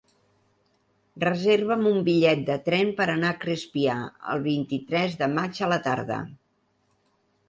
Reserva'm un bitllet de tren per anar a Crespià el vint-i-tres de maig a la tarda.